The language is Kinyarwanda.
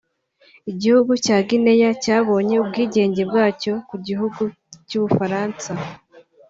Igihugu cya Guinea cyabonye ubwigenge bwacyo ku gihugu cy’ubufaransa